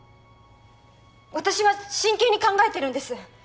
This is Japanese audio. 私は真剣に考えてるんです